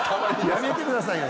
やめてくださいよ。